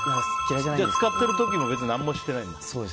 浸かってる時も何もしてないんだ。